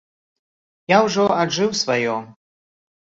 Я ўжо аджыў сваё.